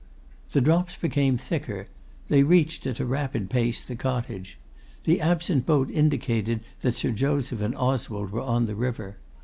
The drops became thicker. They reached, at a rapid pace, the cottage. The absent boat indicated that Sir Joseph and Oswald were on the river.